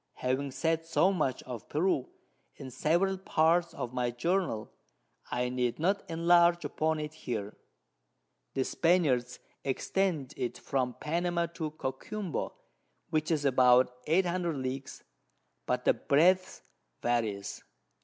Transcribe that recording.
Having said so much of Peru in several Parts of my Journal, I need not enlarge upon it here; the Spaniards extend it from Panama to Coquimbo, which is about 800 Leagues, but the Breadth various.